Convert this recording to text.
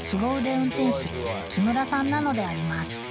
運転士木村さんなのであります